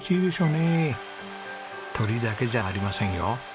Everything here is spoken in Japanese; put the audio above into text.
鳥だけじゃありませんよ。